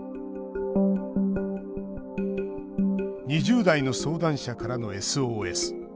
「２０代の相談者からのＳＯＳ。